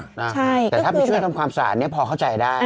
ใช่แต่ถ้าไปช่วยทำความสะอาดเนี่ยพอเข้าใจได้